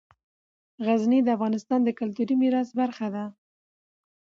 غزني د افغانستان د کلتوري میراث برخه ده.